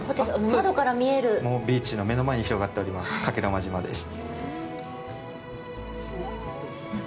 もうビーチの目の前に広がっております加計呂麻島です。